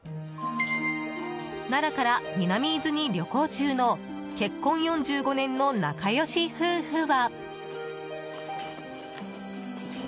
奈良から南伊豆に旅行中の結婚４５年の仲良し夫婦は。